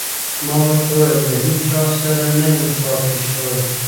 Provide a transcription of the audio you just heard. ما ورته وویل: له هیڅ چا سره نه یم پاتې شوی.